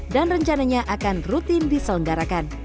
dan rencananya akan rutin diselenggarakan